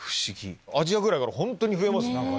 アジアぐらいからホントに増えますね